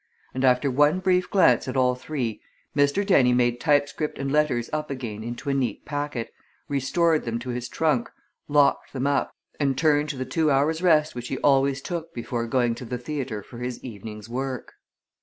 And after one brief glance at all three Mr. Dennie made typescript and letters up again into a neat packet, restored them to his trunk, locked them up, and turned to the two hours' rest which he always took before going to the theatre for his evening's work.